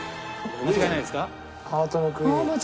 間違いないです。